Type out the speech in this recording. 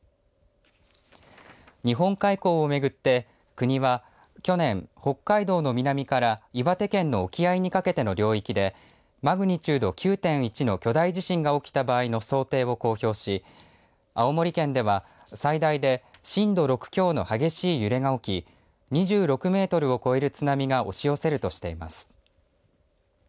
日本海溝をめぐって国は去年、北海道の南から岩手県の沖合にかけての領域でマグニチュード９．１の巨大地震が起きた場合の想定を公表し、青森県では最大で震度６強の激しい揺れが起き２６メートルを超える津波が押し寄せるとしています。